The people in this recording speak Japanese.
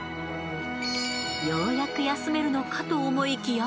ようやく休めるのかと思いきや。